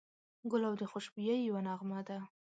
ګلاب د خوشبویۍ یوه نغمه ده.